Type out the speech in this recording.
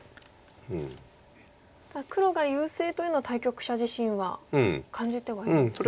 ただ黒が優勢というのは対局者自身は感じてはいるんでしょうか？